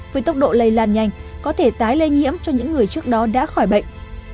với tốc độ lây lan nhanh có thể tái lây nhiễm cho những người trước đó đã khỏi bệnh